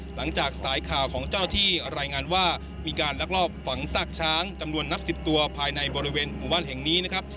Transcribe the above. หลังจากสายข่าวของเจ้าที่รายงานว่ามีการลักลอบฝังซากช้างจำนวนนับ๑๐ตัวภายในบริเวณหมู่บ้านแห่งนี้นะครับ